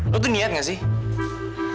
lo tuh niat gak sih